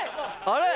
あれ？